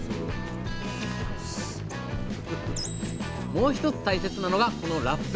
もう一つ大切なのがこのラップ。